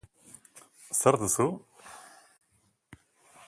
Zer duzu?